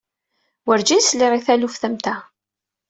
Werǧin sliɣ i taluft am ta.